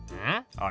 あれ？